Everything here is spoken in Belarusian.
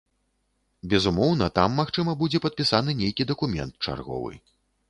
Безумоўна, там, магчыма, будзе падпісаны нейкі дакумент чарговы.